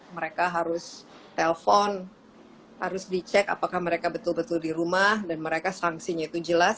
mereka harus telpon harus dicek apakah mereka betul betul di rumah dan mereka sanksinya itu jelas